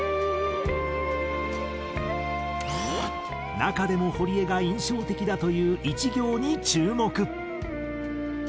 中でもホリエが印象的だという１行に注目。